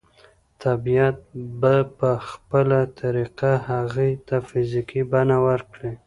طبيعت به په خپله طريقه هغې ته فزيکي بڼه ورکړي.